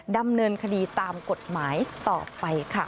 ดำเนินคดีตามกฎหมายต่อไปค่ะ